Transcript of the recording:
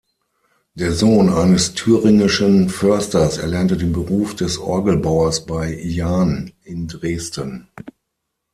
Der Sohn eines thüringischen Försters erlernte den Beruf des Orgelbauers bei Jahn in Dresden.